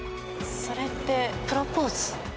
それって、プロポーズ？